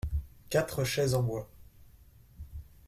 Quatre chaises en bois.